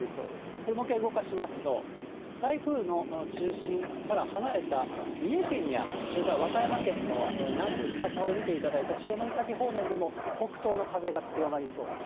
これもう一回動かしますと、台風の中心から離れた三重県やそれから和歌山県の南部、先ほど見ていただいた潮岬方面でも北東の風が強まりそうです。